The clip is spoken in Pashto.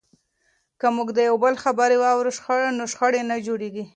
که موږ د یو بل خبرې واورو نو شخړې نه جوړیږي.